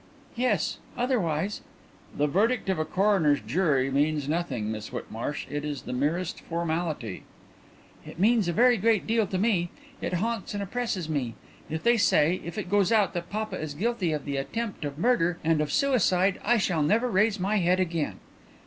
"Yes. Otherwise " "The verdict of a coroner's jury means nothing, Miss Whitmarsh. It is the merest formality." "It means a very great deal to me. It haunts and oppresses me. If they say if it goes out that papa is guilty of the attempt of murder, and of suicide, I shall never raise my head again."